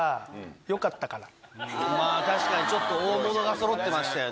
まぁ確かにちょっと大物がそろってましたよね。